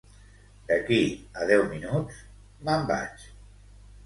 D'aquí a deu minuts me'n vaig